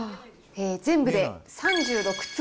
全部で３６粒。